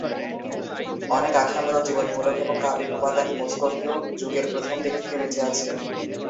অনেক আখ্যানমূলক, জীবনীমূলক, এবং কাব্যিক উপাদান মুস্কোভিয় যুগের প্রথম দিক থেকে বেঁচে আছে।